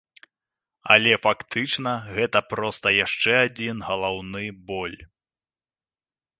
Але фактычна гэта проста яшчэ адзін галаўны боль.